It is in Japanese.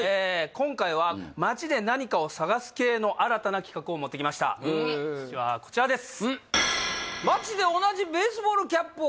今回は街で何かを探す系の新たな企画を持ってきましたこちらです